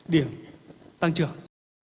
ba điểm tăng trưởng